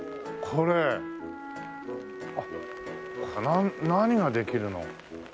これ何ができるの？